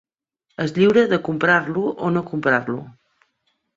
És lliure de comprar-lo o no comprar-lo.